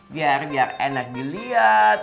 biar biar enak diliat